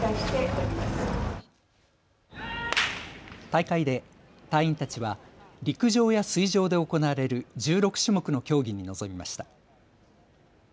大会で隊員たちは陸上や水上で行われる１６種目の競技に臨みました。